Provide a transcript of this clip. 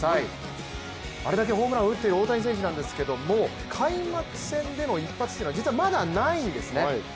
あれだけホームランを打ってる大谷選手なんですけども開幕戦での一発というのは実はまだないんですね。